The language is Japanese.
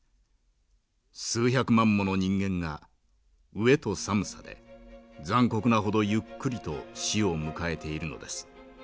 数百万もの人間が飢えと寒さで残酷なほどゆっくりと死を迎えているのです。